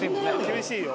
厳しいよ。